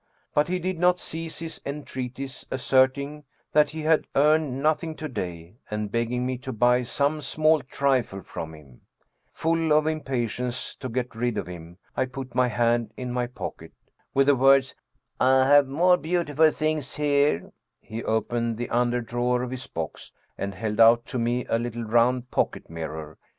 But he did not cease his entreaties, asserting that he had earned 'nothing to day, and begging me to buy some small trifle from him. Full of impatience to get rid of him I put my hand in my pocket. With the words :" I have more beau tiful things here," he opened the under drawer of his box and held out to me a little, round pocket mirror.